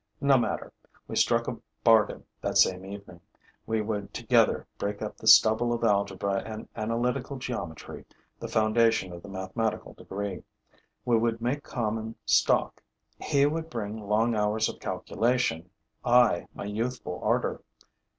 No matter; we struck a bargain that same evening. We would together break up the stubble of algebra and analytical geometry, the foundation of the mathematical degree; we would make common stock: he would bring long hours of calculation, I my youthful ardor.